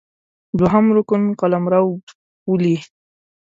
دوهم رکن قلمرو ، پولې